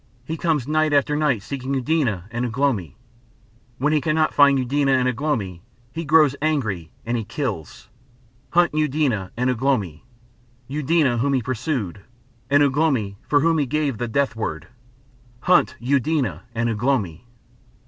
He comes night after night seeking Eudena and Ugh lomi. When he cannot find Eudena and Ugh lomi, he grows angry and he kills. Hunt Eudena and Ugh lomi, Eudena whom he pursued, and Ugh lomi for whom he gave the death word! Hunt Eudena and Ugh lomi!"